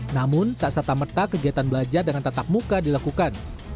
namun tak serta merta kegiatan belajar dengan tatap muka dilakukan